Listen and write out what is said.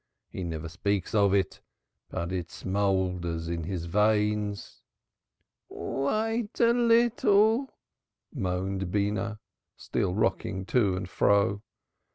He never speaks of it, but it smoulders in his veins." "Wait a little!" moaned Beenah, still rocking to and fro.